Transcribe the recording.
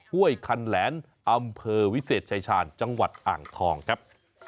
ห้วยคันแหลนอำเภอวิเศษชายชาญจังหวัดอ่างทองครับ